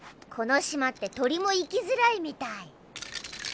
この島って鳥も生きづらいみたい。